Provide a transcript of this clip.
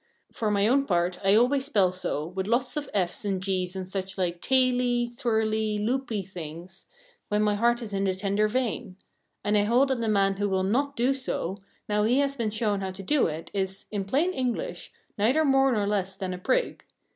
For my own part I always spell so, with lots of f's and g's and such like tailey, twirley, loopey things, when my heart is in the tender vein. And I hold that a man who will not do so, now he has been shown how to do it, is, in plain English, neither more nor less than a prig.